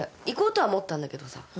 行こうとは思ったんだけどさ。